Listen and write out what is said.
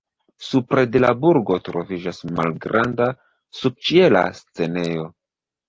Supre de la burgo troviĝas malgranda subĉiela scenejo.